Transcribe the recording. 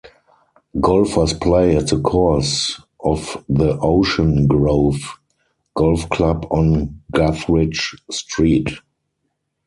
Golfers play at the course of the Ocean Grove Golf Club on Guthridge Street.